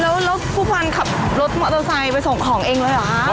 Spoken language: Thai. แล้วผู้พลาดขับรถมอเตอร์ไซค์ไปส่งของเองเลยเหรอครับ